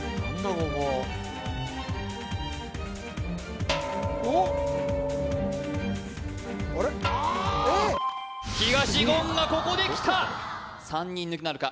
ここ東言がここできた３人抜きなるか？